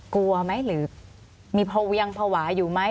กลัวไหมหรือมีพอเวียงภาวะอยู่ไหม